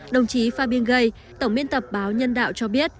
đồng chí fabien gay tổng biên tập báo nhân đạo cho biết